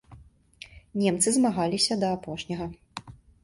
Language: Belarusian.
Немцы змагаліся да апошняга.